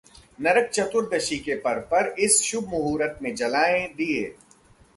नरक चतुर्दशी के पर्व पर इस शुभ मुहूर्त में जलाएं दीए...